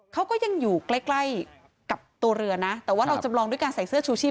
เขาก็ยังอยู่ใกล้ใกล้กับตัวเรือนะแต่ว่าเราจำลองด้วยการใส่เสื้อชูชีพ